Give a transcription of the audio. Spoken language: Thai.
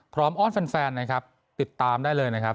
อ้อนแฟนนะครับติดตามได้เลยนะครับ